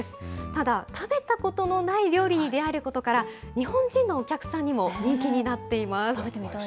ただ、食べたことのない料理に出会えることから、日本人のお客さんにも人気になっています。